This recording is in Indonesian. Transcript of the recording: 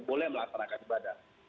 boleh melaksanakan ibadah